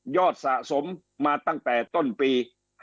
สะสมมาตั้งแต่ต้นปี๕๗